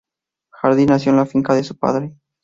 Jardín nació en la finca de su padre.